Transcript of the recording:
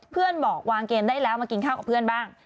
เพื่อนบอกวางเกมได้แล้วมากินข้าวกับเพื่อนบ้าง